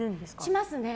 しますね。